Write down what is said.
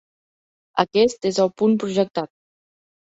Aquest és el punt projectat.